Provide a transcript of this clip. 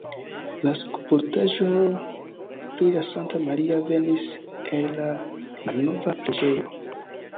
La skulptaĵo pri Sankta Maria venis el la malnova preĝejo.